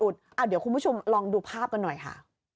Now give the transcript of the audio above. เดี๋ยวคุณผู้ชมลองดูภาพกันหน่อยค่ะ